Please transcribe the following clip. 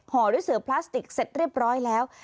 ห่อด้วยเสือพลาสติกเสร็จเรียบร้อยแล้ว